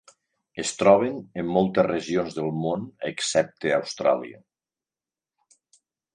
Es troben en moltes regions del món excepte Austràlia.